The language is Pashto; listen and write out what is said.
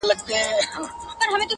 o او غمجن غږ خپروي تل,